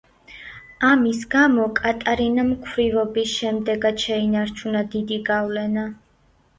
ამის გამო, კატარინამ ქვრივობის შემდეგაც შეინარჩუნა დიდი გავლენა.